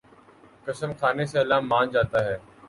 قسم کھانے سے اللہ مان جاتا ہے